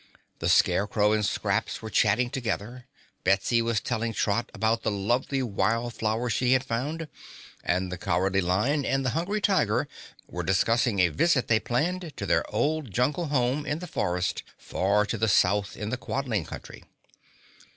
The Scarecrow and Scraps were chatting together. Betsy was telling Trot about the lovely wild flowers she had found, and the Cowardly Lion and the Hungry Tiger were discussing a visit they planned to their old jungle home in the forest far to the south in the Quadling Country.